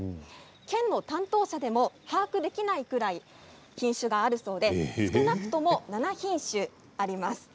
県の担当者でも把握できないぐらい品種があるということで少なくとも７品種あります。